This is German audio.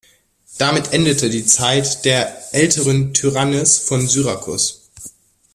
Damit endete die Zeit der „Älteren Tyrannis“ von Syrakus.